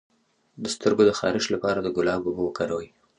د سترګو د خارښ لپاره د ګلاب اوبه وکاروئ